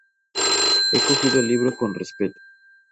He cogido el libro con respeto.